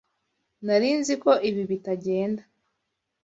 Nari nzi ko ibi bitagenda.